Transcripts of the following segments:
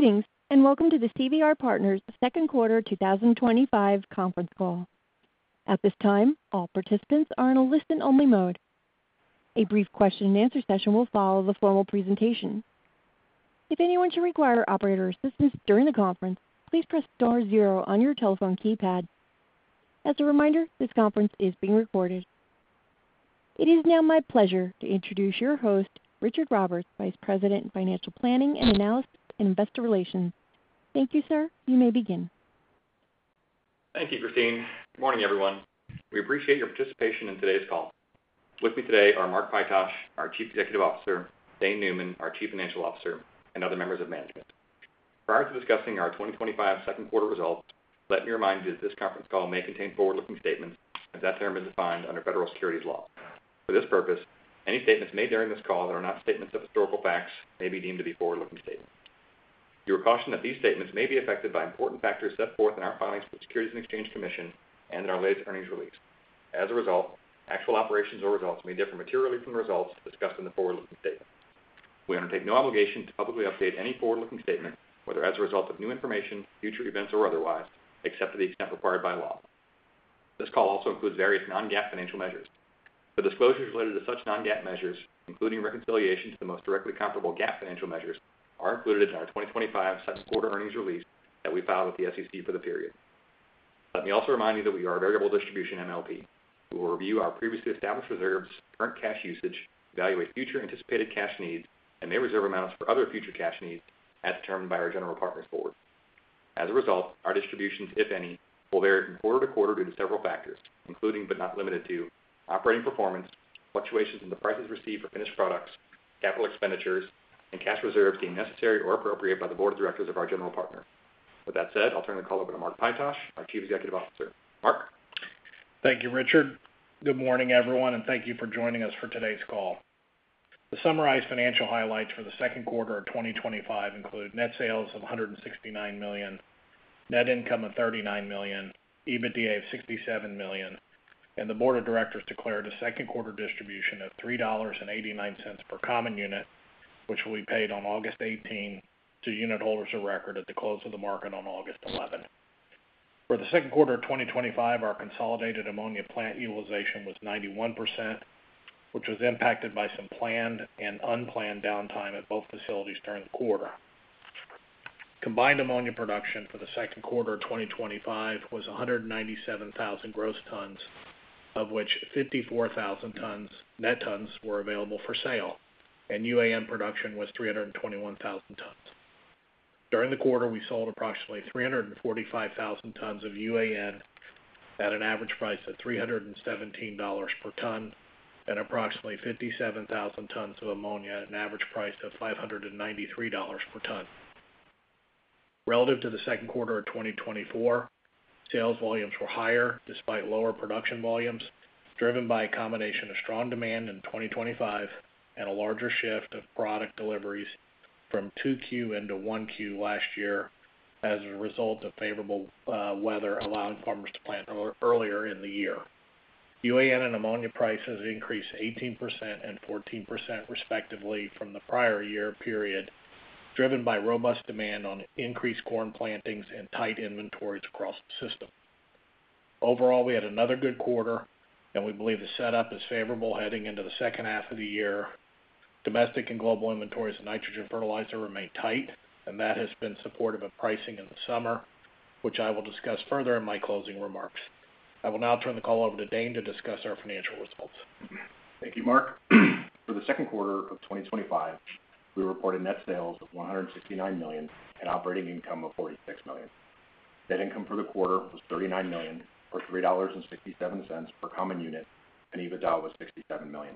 Meetings, and welcome to the CVR Partners second quarter 2025 conference call. At this time, all participants are in a listen-only mode. A brief question-and-answer session will follow the formal presentation. If anyone should require operator assistance during the conference, please press star zero on your telephone keypad. As a reminder, this conference is being recorded. It is now my pleasure to introduce your host, Richard Roberts, Vice President of Financial Planning and Analysis and Investor Relations. Thank you, sir. You may begin. Thank you, Christine. Good morning, everyone. We appreciate your participation in today's call. With me today are Mark Pytosh, our Chief Executive Officer, Dane Neumann, our Chief Financial Officer, and other members of management. Prior to discussing our 2025 second quarter result, let me remind you that this conference call may contain forward-looking statements, as that term is defined under Federal Securities Law. For this purpose, any statements made during this call that are not statements of historical facts may be deemed to be forward-looking statements. We are cautioned that these statements may be affected by important factors set forth in our filings for the Securities and Exchange Commission and in our latest earnings release. As a result, actual operations or results may differ materially from the results discussed in the forward-looking statement. We undertake no obligation to publicly update any forward-looking statement, whether as a result of new information, future events, or otherwise, except to the extent required by law. This call also includes various non-GAAP financial measures. The disclosures related to such non-GAAP measures, including reconciliation to the most directly comparable GAAP financial measures, are included in our 2025 second quarter earnings release that we filed with the SEC for the period. Let me also remind you that we are a variable distribution MLP. We will review our previously established reserves, current cash usage, evaluate future anticipated cash needs, and may reserve amounts for other future cash needs as determined by our General Partner's Board. As a result, our distributions, if any, will vary from quarter to quarter due to several factors, including but not limited to operational performance, fluctuations in the prices received for finished products, capital expenditures, and cash reserves deemed necessary or appropriate by the Board of Directors of our General Partner. With that said, I'll turn the call over to Mark Pytosh, our Chief Executive Officer. Mark. Thank you, Richard. Good morning, everyone, and thank you for joining us for today's call. To summarize, financial highlights for the second quarter of 2025 include net sales of $169 million, net income of $39 million, EBITDA of $67 million, and the Board of Directors declared a second quarter distribution of $3.89 per common unit, which will be paid on August 18 to unitholders of record at the close of the market on August 11. For the second quarter of 2025, our consolidated ammonia plant utilization was 91%, which was impacted by some planned and unplanned downtime at both facilities during the quarter. Combined ammonia production for the second quarter of 2025 was 197,000 gross tons, of which 54,000 net tons were available for sale, and UAN production was 321,000 tons. During the quarter, we sold approximately 345,000 tons of UAN at an average price of $317 per ton and approximately 57,000 tons of ammonia at an average price of $593 per ton. Relative to the second quarter of 2024, sales volumes were higher despite lower production volumes, driven by a combination of strong demand in 2025 and a larger shift of product deliveries from 2Q into 1Q last year as a result of favorable weather allowing farmers to plant earlier in the year. UAN and ammonia prices increased 18% and 14% respectively from the prior year period, driven by robust demand on increased corn plantings and tight inventories across the system. Overall, we had another good quarter, and we believe the setup is favorable heading into the second half of the year. Domestic and global inventories of nitrogen fertilizer remain tight, and that has been supportive of pricing in the summer, which I will discuss further in my closing remarks. I will now turn the call over to Dane to discuss our financial results. Thank you, Mark. For the second quarter of 2025, we reported net sales of $169 million and operating income of $46 million. Net income for the quarter was $39 million or $3.67 per common unit, and EBITDA was $67 million.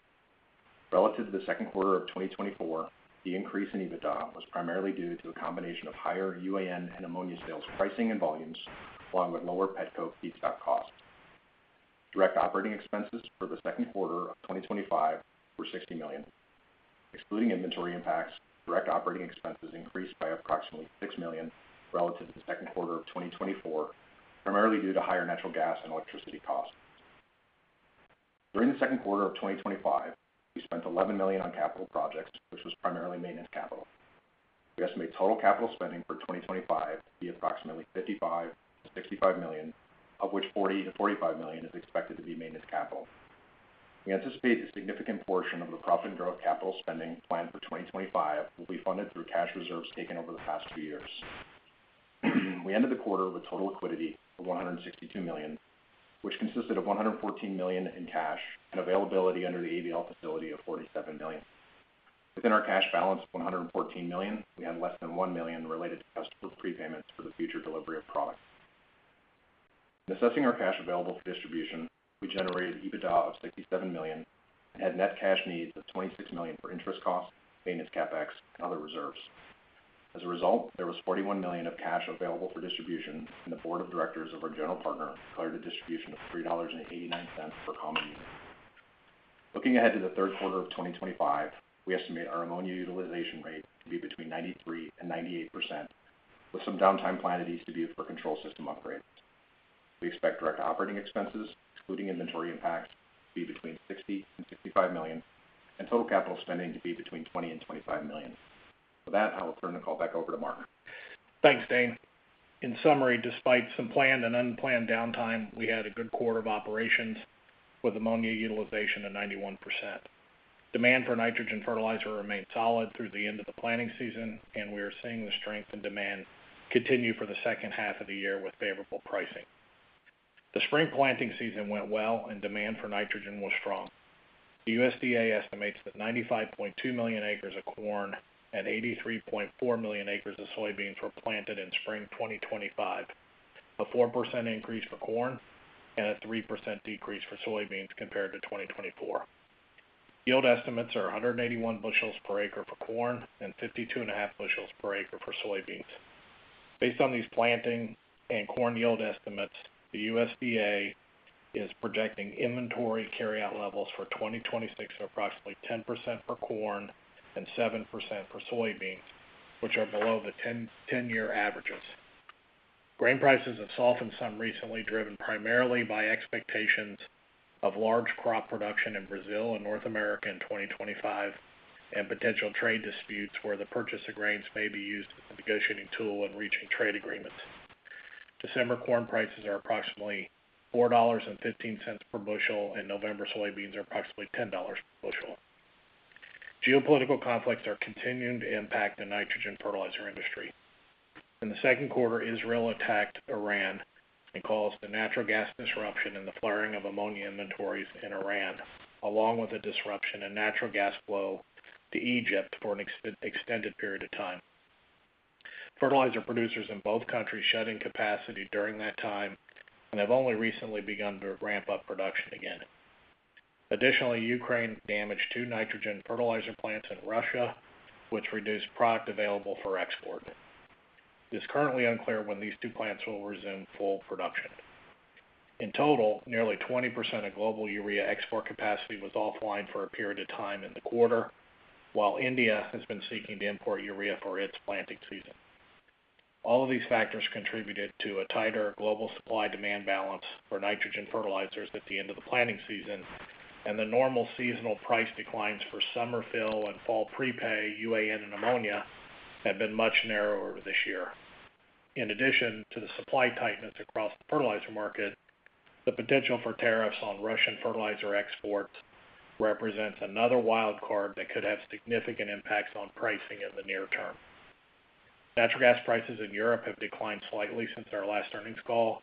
Relative to the second quarter of 2024, the increase in EBITDA was primarily due to a combination of higher UAN and ammonia sales pricing and volumes, along with lower Petco feedstock costs. Direct operating expenses for the second quarter of 2025 were $60 million. Excluding inventory impacts, direct operating expenses increased by approximately $6 million relative to the second quarter of 2024, primarily due to higher natural gas and electricity costs. During the second quarter of 2025, we spent $11 million on capital projects, which was primarily maintenance capital. We estimate total capital spending for 2025 to be approximately $55 million, of which $40 million-$45 million is expected to be maintenance capital. We anticipate a significant portion of the profit and growth capital spending planned for 2025 will be funded through cash reserves taken over the past two years. We ended the quarter with total liquidity of $162 million, which consisted of $114 million in cash and availability under the ABL facility of $47 million. Within our cash balance of $114 million, we had less than $1 million related to customs prepayments for the future delivery of products. Assessing our cash available for distribution, we generated EBITDA of $67 million and had net cash needs of $26 million for interest costs, maintenance capex, and other reserves. As a result, there was $41 million of cash available for distribution, and the Board of Directors of our General Partner declared a distribution of $3.89 per common unit. Looking ahead to the third quarter of 2025, we estimate our ammonia utilization rate to be between 93% and 98%, with some downtime planned at East Dubuque for control system upgrades. We expect direct operating expenses, including inventory impact, to be between $60 million and $65 million, and total capital spending to be between $20 million and $25 million. With that, I will turn the call back over to Mark. Thanks, Dane. In summary, despite some planned and unplanned downtime, we had a good quarter of operations with ammonia utilization at 91%. Demand for nitrogen fertilizer remained solid through the end of the planting season, and we are seeing the strength in demand continue for the second half of the year with favorable pricing. The spring planting season went well, and demand for nitrogen was strong. The USDA estimates that 95.2 million acres of corn and 83.4 million acres of soybeans were planted in spring 2025, a 4% increase for corn and a 3% decrease for soybeans compared to 2024. Yield estimates are 181 bushels per acre for corn and 52.5 bushels per acre for soybeans. Based on these planting and corn yield estimates, the USDA is projecting inventory carryout levels for 2026 of approximately 10% for corn and 7% for soybeans, which are below the 10-year averages. Grain prices have softened some recently, driven primarily by expectations of large crop production in Brazil and North America in 2025 and potential trade disputes where the purchase of grains may be used as a negotiating tool when reaching trade agreements. December corn prices are approximately $4.15 per bushel, and November soybeans are approximately $10 per bushel. Geopolitical conflicts are continuing to impact the nitrogen fertilizer industry. In the second quarter, Israel attacked Iran and caused a natural gas disruption in the flaring of ammonia inventories in Iran, along with a disruption in natural gas flow to Egypt for an extended period of time. Fertilizer producers in both countries shut in capacity during that time, and they've only recently begun to ramp up production again. Additionally, Ukraine damaged two nitrogen fertilizer plants in Russia, which reduced product available for export. It is currently unclear when these two plants will resume full production. In total, nearly 20% of global urea export capacity was offline for a period of time in the quarter, while India has been seeking to import urea for its planting season. All of these factors contributed to a tighter global supply-demand balance for nitrogen fertilizers at the end of the planting season, and the normal seasonal price declines for summer fill and fall prepay UAN and ammonia have been much narrower this year. In addition to the supply tightness across the fertilizer market, the potential for tariffs on Russian fertilizer exports represents another wild card that could have significant impacts on pricing in the near term. Natural gas prices in Europe have declined slightly since our last earnings call,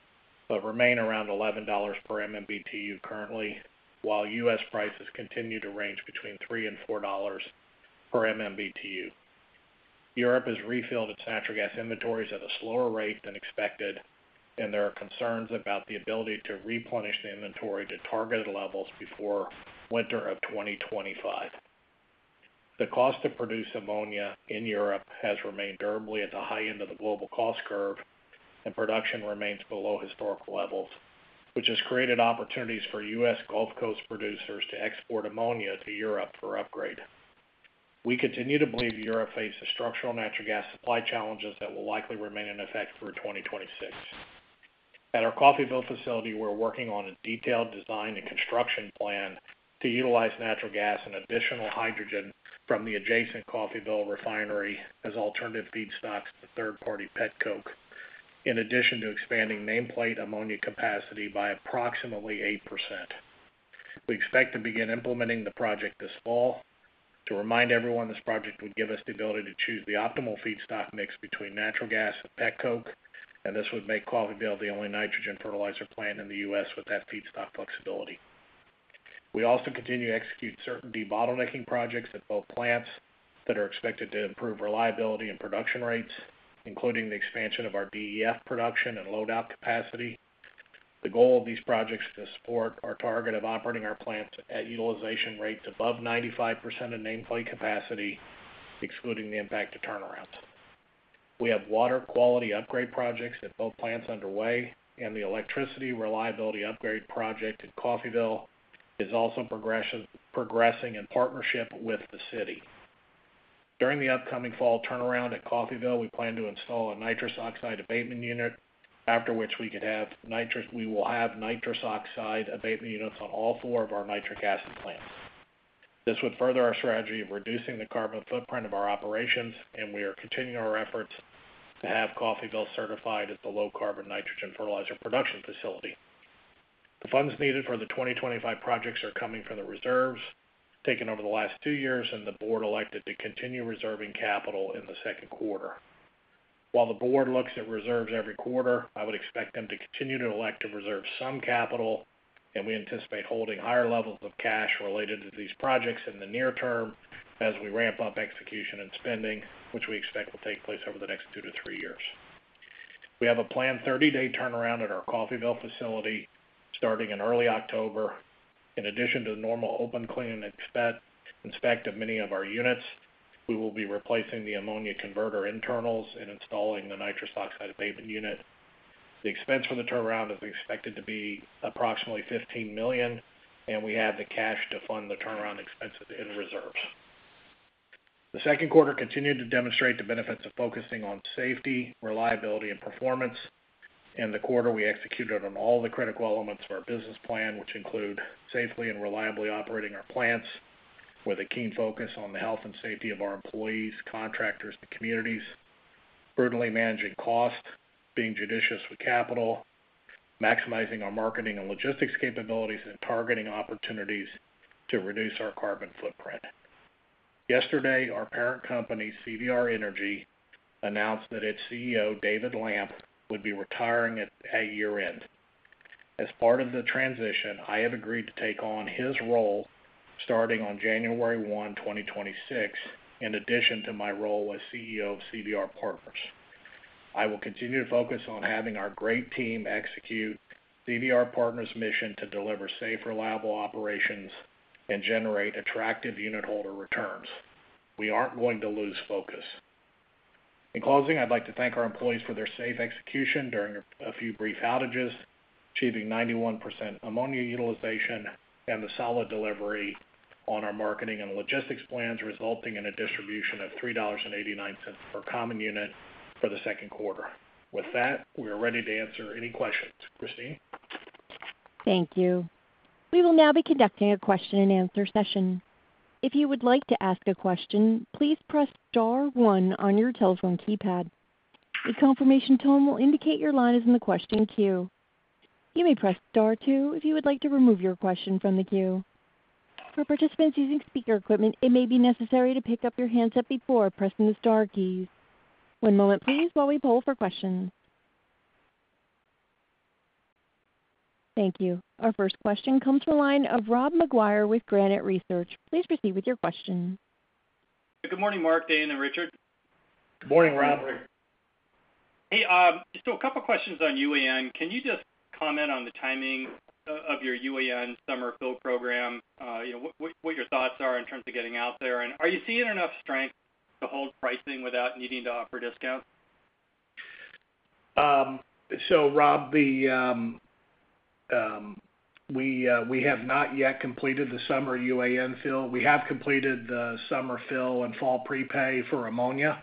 but remain around $11 per MMBtu currently, while U.S. prices continue to range between $3 and $4 per MMBtu. Europe has refilled its natural gas inventories at a slower rate than expected, and there are concerns about the ability to replenish the inventory to targeted levels before winter of 2025. The cost to produce ammonia in Europe has remained durably at the high end of the global cost curve, and production remains below historical levels, which has created opportunities for U.S. Gulf Coast producers to export ammonia to Europe for upgrade. We continue to believe Europe faces structural natural gas supply challenges that will likely remain in effect through 2026. At our Coffeyville facility, we're working on a detailed design and construction plan to utilize natural gas and additional hydrogen from the adjacent Coffeyville refinery as alternative feedstocks to third-party Petco, in addition to expanding nameplate ammonia capacity by approximately 8%. We expect to begin implementing the project this fall. To remind everyone, this project would give us the ability to choose the optimal feedstock mix between natural gas and Petco, and this would make Coffeyville the only nitrogen fertilizer plant in the U.S. with that feedstock flexibility. We also continue to execute certain debottlenecking projects at both plants that are expected to improve reliability and production rates, including the expansion of our DEF production and loadout capacity. The goal of these projects is to support our target of operating our plants at utilization rates above 95% of nameplate capacity, excluding the impact of turnaround. We have water quality upgrade projects at both plants underway, and the electricity reliability upgrade project at Coffeyville is also progressing in partnership with the city. During the upcoming fall turnaround at Coffeyville, we plan to install a nitrous oxide abatement unit, after which we will have nitrous oxide abatement units on all four of our nitric acid plants. This would further our strategy of reducing the carbon footprint of our operations, and we are continuing our efforts to have Coffeyville certified as the low-carbon nitrogen fertilizer production facility. The funds needed for the 2025 projects are coming from the reserves taken over the last two years, and the board elected to continue reserving capital in the second quarter. While the board looks at reserves every quarter, I would expect them to continue to elect to reserve some capital, and we anticipate holding higher levels of cash related to these projects in the near term as we ramp up execution and spending, which we expect will take place over the next two to three years. We have a planned 30-day turnaround at our Coffeyville facility starting in early October. In addition to the normal open cleaning and inspect of many of our units, we will be replacing the ammonia converter internals and installing the nitrous oxide abatement unit. The expense for the turnaround is expected to be approximately $15 million, and we have the cash to fund the turnaround expenses in reserves. The second quarter continued to demonstrate the benefits of focusing on safety, reliability, and performance. In the quarter, we executed on all the critical elements of our business plan, which include safely and reliably operating our plants with a keen focus on the health and safety of our employees, contractors, and communities, certainly managing costs, being judicious with capital, maximizing our marketing and logistics capabilities, and targeting opportunities to reduce our carbon footprint. Yesterday, our parent company, CVR Energy, announced that its CEO, David Lamp, would be retiring at year end. As part of the transition, I have agreed to take on his role starting on January 1, 2026, in addition to my role as CEO of CVR Partners. I will continue to focus on having our great team execute CVR Partners' mission to deliver safe, reliable operations and generate attractive unitholder returns. We aren't going to lose focus. In closing, I'd like to thank our employees for their safe execution during a few brief outages, achieving 91% ammonia utilization and the solid delivery on our marketing and logistics plans, resulting in a distribution of $3.89 per common unit for the second quarter. With that, we are ready to answer any questions. Christine? Thank you. We will now be conducting a question-and-answer session. If you would like to ask a question, please press star one on your telephone keypad. A confirmation tone will indicate your line is in the question queue. You may press star two if you would like to remove your question from the queue. For participants using speaker equipment, it may be necessary to pick up your handset before pressing the star keys. One moment, please, while we poll for questions. Thank you. Our first question comes from a line of Rob McGuire with Granite Research. Please proceed with your question. Good morning, Mark, Dane, and Richard. Morning, Rob. Hey, just a couple of questions on UAN. Can you just comment on the timing of your UAN summer fill program? You know what your thoughts are in terms of getting out there, and are you seeing enough strength to hold pricing without needing to offer discounts? Rob, we have not yet completed the summer UAN fill. We have completed the summer fill and fall prepay for ammonia,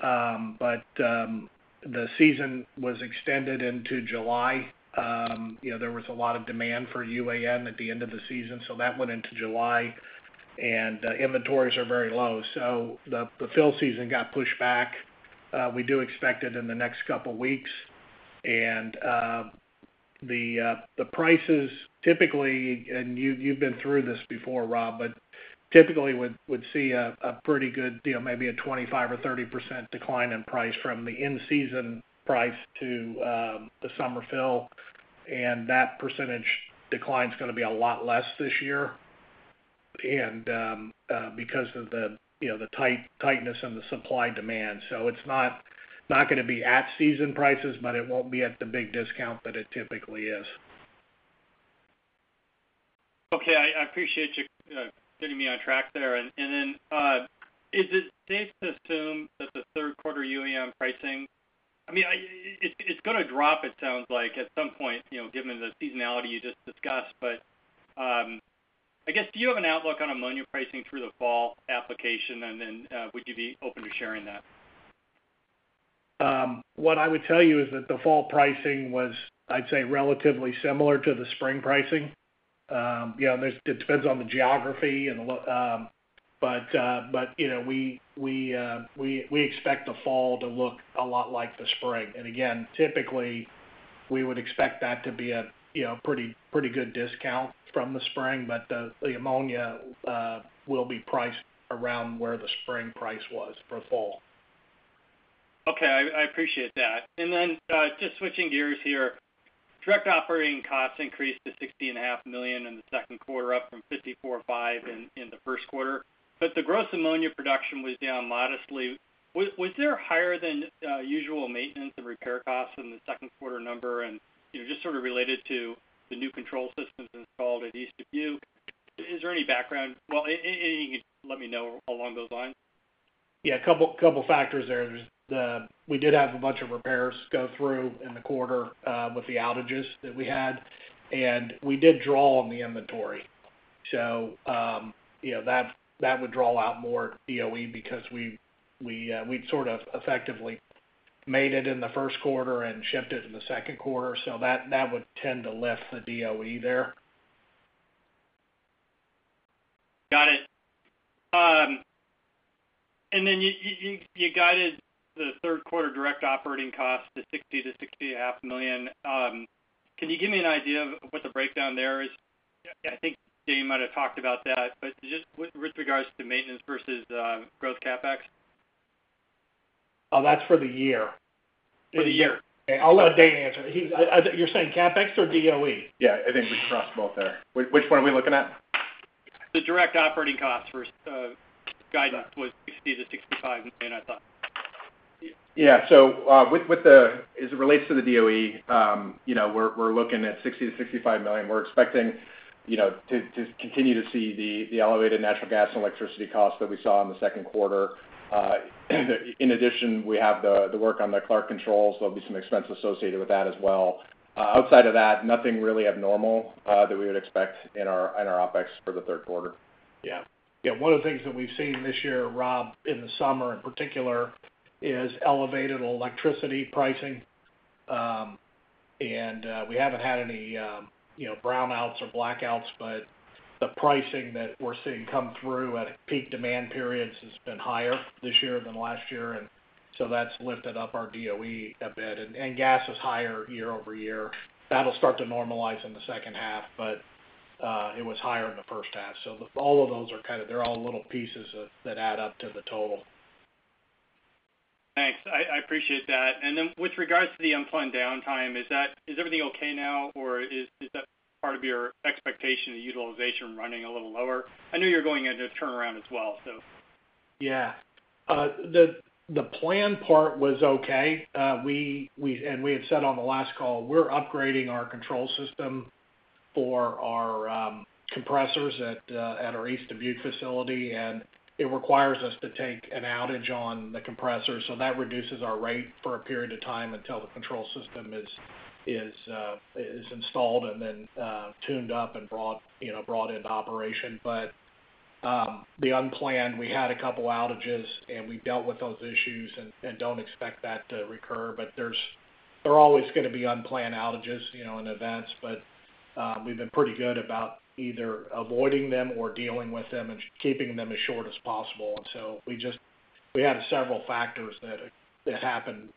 but the season was extended into July. There was a lot of demand for UAN at the end of the season, so that went into July, and inventories are very low. The fill season got pushed back. We do expect it in the next couple of weeks. The prices typically, and you've been through this before, Rob, but typically would see a pretty good, maybe a 25% or 30% decline in price from the in-season price to the summer fill. That percentage decline is going to be a lot less this year because of the tightness in the supply demand. It's not going to be at season prices, but it won't be at the big discount that it typically is. Okay. I appreciate you getting me on track there. Is it safe to assume that the third quarter UAN pricing, I mean, it's going to drop, it sounds like, at some point, given the seasonality you just discussed? I guess, do you have an outlook on ammonia pricing through the fall application, and would you be open to sharing that? What I would tell you is that the fall pricing was, I'd say, relatively similar to the spring pricing. It depends on the geography and the look, but we expect the fall to look a lot like the spring. Typically, we would expect that to be a pretty good discount from the spring, but the ammonia will be priced around where the spring price was for fall. Okay. I appreciate that. Just switching gears here, direct operating costs increased to $60.5 million in the second quarter, up from $54.5 million in the first quarter. The gross ammonia production was down modestly. Was there higher than usual maintenance and repair costs in the second quarter number, and just sort of related to the new control systems installed at East Dubuque? Is there any background you can let me know along those lines? Yeah, a couple of factors there. We did have a bunch of repairs go through in the quarter with the outages that we had, and we did draw on the inventory. That would draw out more DOE because we sort of effectively made it in the first quarter and shipped it in the second quarter. That would tend to lift the DOE there. Got it. You guided the third quarter direct operating costs to $60 million-$60.5 million. Can you give me an idea of what the breakdown there is? I think Dane might have talked about that, but just with regards to maintenance versus gross CapEx. Oh, that's for the year. For the year. Okay. I'll let Dane answer. You're saying CapEx or DOE? Yeah, I think we crossed both there. Which one are we looking at? The direct operating expenses versus guidance was $60 million to $65 million, I thought. Yeah. As it relates to the DOE, we're looking at $60million-$65 million. We're expecting to continue to see the elevated natural gas and electricity costs that we saw in the second quarter. In addition, we have the work on the Clark controls. There'll be some expense associated with that as well. Outside of that, nothing really abnormal that we would expect in our OpEx for the third quarter. Yeah. One of the things that we've seen this year, Rob, in the summer in particular, is elevated electricity pricing. We haven't had any, you know, brownouts or blackouts, but the pricing that we're seeing come through at peak demand periods has been higher this year than last year. That's lifted up our DOE a bit. Gas is higher year-over-year. That'll start to normalize in the second half, but it was higher in the first half. All of those are kind of, they're all little pieces that add up to the total. Thanks. I appreciate that. With regards to the unplanned downtime, is everything okay now, or is that part of your expectation to utilization running a little lower? I know you're going into turnaround as well. Yeah. The planned part was okay. We, and we had said on the last call, we're upgrading our control system for our compressors at our East Dubuque facility, and it requires us to take an outage on the compressor. That reduces our rate for a period of time until the control system is installed and then tuned up and brought into operation. The unplanned, we had a couple of outages, and we dealt with those issues and don't expect that to recur. There's always going to be unplanned outages and events. We've been pretty good about either avoiding them or dealing with them and keeping them as short as possible. We just had several factors that happened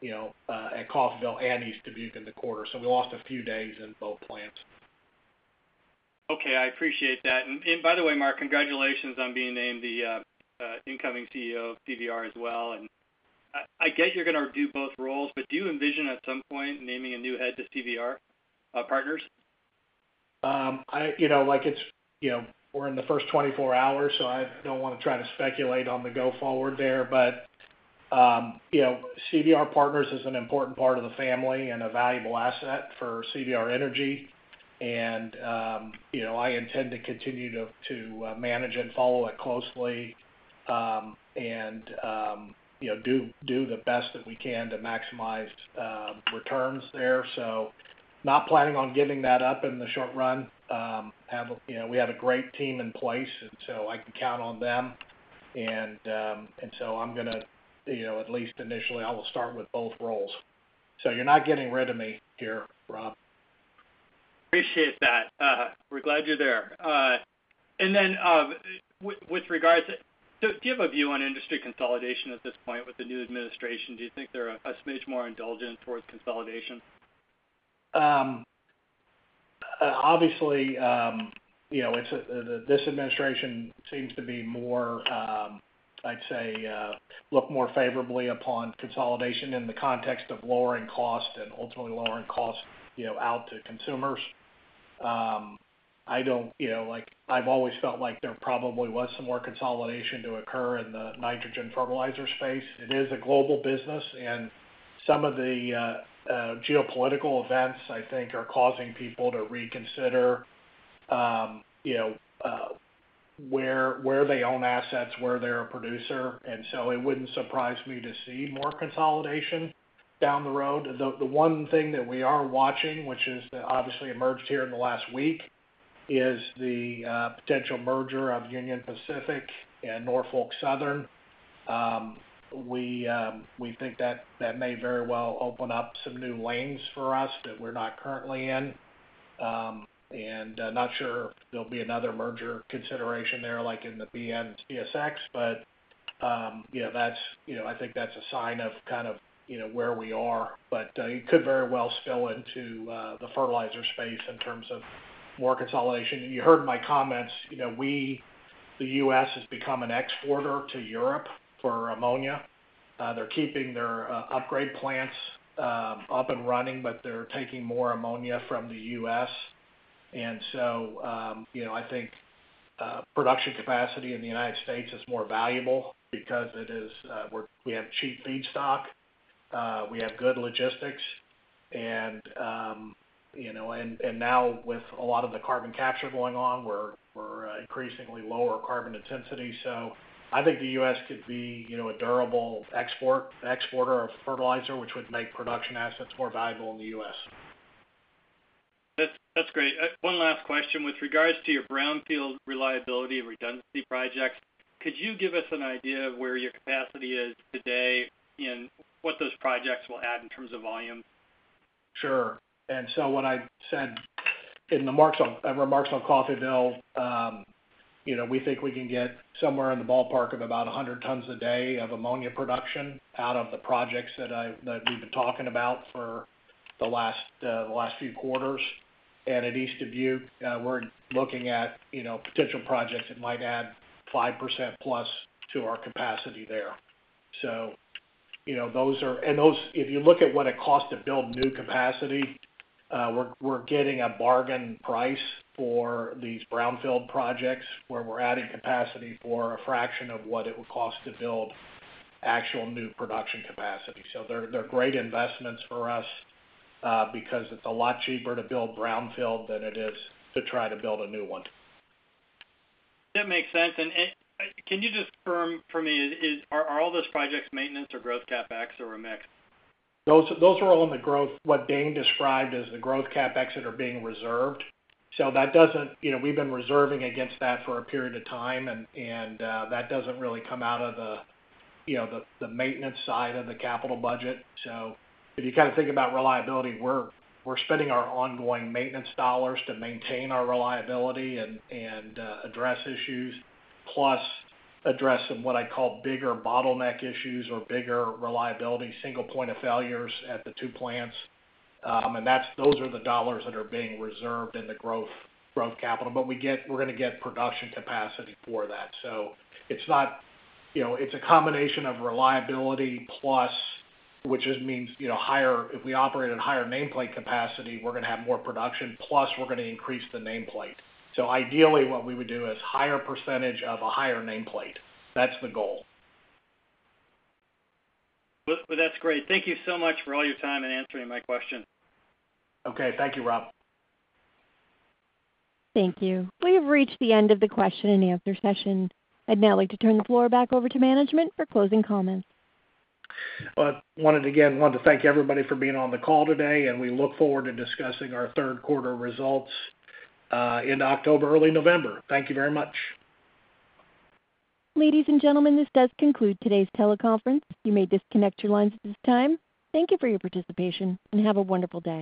at Coffeyville and East Dubuque in the quarter. We lost a few days in both plants. Okay. I appreciate that. By the way, Mark, congratulations on being named the incoming CEO of CVR Energy as well. I guess you're going to do both roles, but do you envision at some point naming a new head to CVR Partners? We're in the first 24 hours, so I don't want to try to speculate on the go-forward there. CVR Partners is an important part of the family and a valuable asset for CVR Energy. I intend to continue to manage and follow it closely and do the best that we can to maximize returns there. Not planning on giving that up in the short run. We have a great team in place, and I can count on them. I'm going to, at least initially, start with both roles. You're not getting rid of me here, Rob. Appreciate that. We're glad you're there. With regards to, do you have a view on industry consolidation at this point with the new administration? Do you think they're a smidge more indulgent towards consolidation? Obviously, this administration seems to look more favorably upon consolidation in the context of lowering cost and ultimately lowering costs out to consumers. I've always felt like there probably was some more consolidation to occur in the nitrogen fertilizer space. It is a global business, and some of the geopolitical events, I think, are causing people to reconsider where they own assets, where they're a producer. It wouldn't surprise me to see more consolidation down the road. The one thing that we are watching, which has obviously emerged here in the last week, is the potential merger of Union Pacific and Norfolk Southern. We think that may very well open up some new lanes for us that we're not currently in. I'm not sure there'll be another merger consideration there, like in the BN and CSX. I think that's a sign of kind of where we are. It could very well spill into the fertilizer space in terms of more consolidation. You heard my comments. The U.S. has become an exporter to Europe for ammonia. They're keeping their upgrade plants up and running, but they're taking more ammonia from the U.S. I think production capacity in the United States is more valuable because we have cheap feedstock. We have good logistics, and now with a lot of the carbon capture going on, we're increasingly lower carbon intensity. I think the U.S. could be a durable exporter of fertilizer, which would make production assets more valuable in the U.S. That's great. One last question. With regards to your brownfield reliability redundancy projects, could you give us an idea of where your capacity is today and what those projects will add in terms of volume? Sure. What I said in the remarks on Coffeyville, we think we can get somewhere in the ballpark of about 100 tons a day of ammonia production out of the projects that we've been talking about for the last few quarters. At East Dubuque, we're looking at potential projects that might add 5%+ to our capacity there. If you look at what it costs to build new capacity, we're getting a bargain price for these brownfield projects where we're adding capacity for a fraction of what it would cost to build actual new production capacity. They're great investments for us because it's a lot cheaper to build brownfield than it is to try to build a new one. That makes sense. Can you just confirm for me, are all those projects maintenance or growth CapEx or a mix? Those are all in the growth, what Dane described as the growth capex that are being reserved. That doesn't, you know, we've been reserving against that for a period of time, and that doesn't really come out of the, you know, the maintenance side of the capital budget. If you kind of think about reliability, we're spending our ongoing maintenance dollars to maintain our reliability and address issues, plus address some what I call bigger bottleneck issues or bigger reliability single point of failures at the two plants. Those are the dollars that are being reserved in the growth capital. We're going to get production capacity for that. It's not, you know, it's a combination of reliability plus, which means, you know, higher, if we operate at higher nameplate capacity, we're going to have more production, plus we're going to increase the nameplate. Ideally, what we would do is a higher percentage of a higher nameplate. That's the goal. That's great. Thank you so much for all your time and answering my questions. Okay. Thank you, Rob. Thank you. We have reached the end of the question-and-answer session. I'd now like to turn the floor back over to management for closing comments. I want to thank everybody for being on the call today, and we look forward to discussing our third quarter results in October, early November. Thank you very much. Ladies and gentlemen, this does conclude today's teleconference. You may disconnect your lines at this time. Thank you for your participation and have a wonderful day.